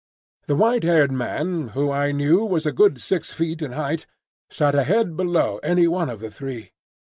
The white haired man, who I knew was a good six feet in height, sat a head below any one of the three.